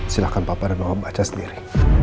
silahkan papa dan mama baca sendiri